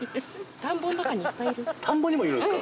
田んぼにもいるんですか？